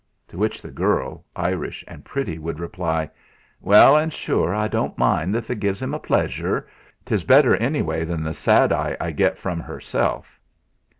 To which the girl, Irish and pretty, would reply: "Well, an' sure I don't mind, if it gives um a pleasure. 'Tis better anyway than the sad eye I get from herself."